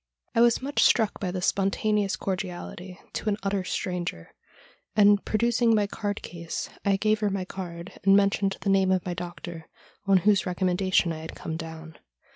I was much struck by this spontaneous cordiality to an utter stranger, and, producing my card case, I gave her my card, and mentioned the name of my doctor, on whose recom mendation I had come down.